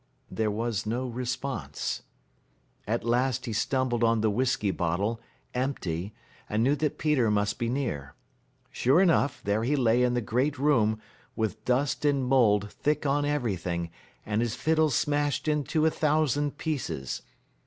There was no response. At last he stumbled on the whiskey bottle, empty, and knew that Peter must be near. Sure enough, there he lay in the great room, with dust and mould thick on everything, and his fiddle smashed into a thousand pieces.